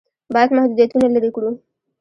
باید محدودیتونه لرې کړو.